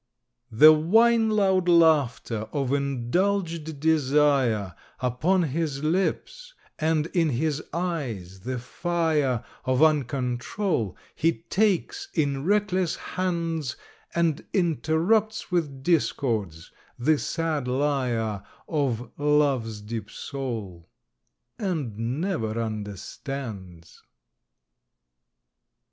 The wine loud laughter of indulged Desire Upon his lips, and, in his eyes, the fire Of uncontrol, he takes in reckless hands, And interrupts with discords, the sad lyre Of LOVE'S deep soul, and never understands.